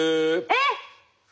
えっ！